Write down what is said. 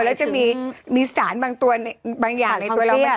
และจะมีสารบางอย่างในตัวเรา